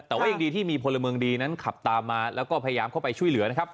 แต่ว่ายังดีที่มีพลเมืองดีนั้นขับตามมาแล้วก็พยายามเข้าไปช่วยเหลือนะครับ